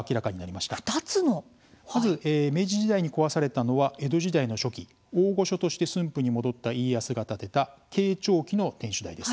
まず明治時代に壊されたのは江戸時代の初期、大御所として駿府に戻った家康が建てた慶長期の天守台です。